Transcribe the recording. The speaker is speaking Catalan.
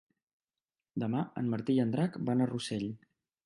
Demà en Martí i en Drac van a Rossell.